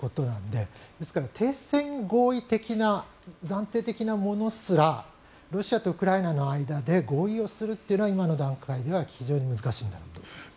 ですから、停戦合意的な暫定的なものすらロシアとウクライナの間で合意をするというのは今の段階では非常に難しいんだろうと思います。